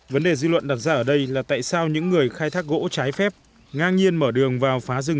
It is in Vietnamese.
vấn đề dư luận đặt ra ở đây là tại sao những người khai thác gỗ trái phép ngang nhiên mở đường vào phá rừng